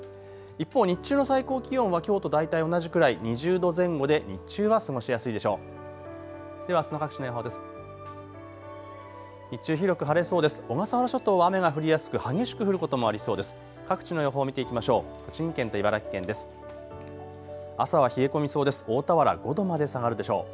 一方、日中の最高気温はきょうと大体同じくらい、２０度前後で日中は過ごしやすいでしょう。